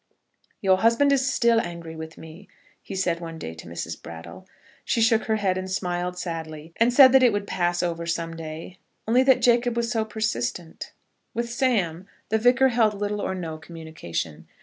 "Your husband is still angry with me," he said one day to Mrs. Brattle. She shook her head and smiled sadly, and said that it would pass over some day, only that Jacob was so persistent. With Sam, the Vicar held little or no communication.